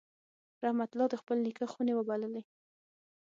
رحمت الله د خپل نیکه خونې وبللې.